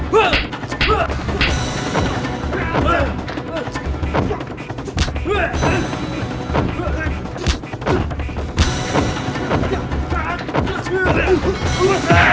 baik mas haryu